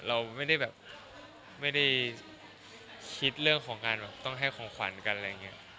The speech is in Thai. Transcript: เราไม่ได้แบบไม่ได้คิดเรื่องของการแบบต้องให้ของขวัญกันอะไรอย่างนี้